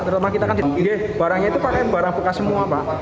terutama kita kan barangnya itu pakai barang bekas semua pak